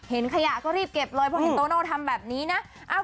ขยะก็รีบเก็บเลยเพราะเห็นโตโน่ทำแบบนี้นะ